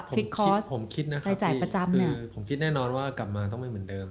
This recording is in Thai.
ผมคิดนะครับคือผมคิดแน่นอนว่ากลับมาต้องไม่เหมือนเดิม